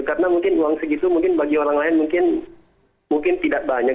karena mungkin uang segitu mungkin bagi orang lain mungkin tidak banyak